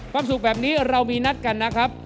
ความสุขแบบนี้เรามีนัดกันนะครับ